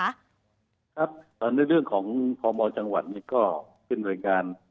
ครับในเรื่องของพมจังหวัดก็เป็นรายการ